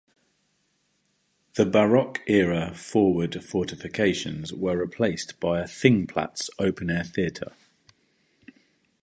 The Baroque-era forward fortifications were replaced by a Thingplatz open-air theatre.